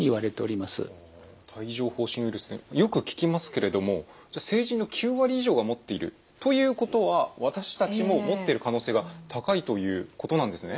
ウイルスよく聞きますけれどもじゃあ成人の９割以上が持っているということは私たちも持ってる可能性が高いということなんですね？